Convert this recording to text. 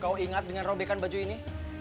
kau ingat dengan robe kan baju ini